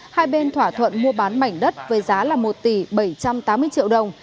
hai bên thỏa thuận mua bán mảnh đất với giá là một tỷ bảy trăm tám mươi triệu đồng